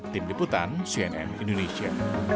tim diputan cnn indonesia